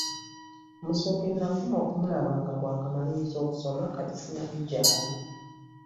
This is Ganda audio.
Musoke nakoma okumulaba nga twakamaliriza okusoma kati simanyi gy'ali.